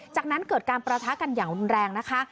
จากนั้นเกิดการประทะกันอย่างรุนแรงนะคะ